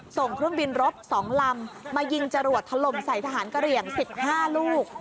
ส่งเครื่องบินรบ๒ลำมายิงจรวดถล่มใส่ทหารกระเหลี่ยง๑๕ลูก